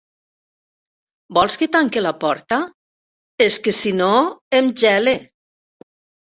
Vols que tanque la porta? És que si no, em gele.